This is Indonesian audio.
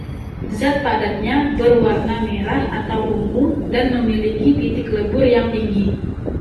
Zat padatnya berwarna merah atau ungu dan memiliki titik lebur yang tinggi.